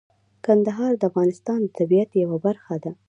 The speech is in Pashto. کندهار د افغانستان د طبیعت یوه برخه ده.